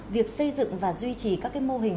việc xây dựng và duy trì các mô hình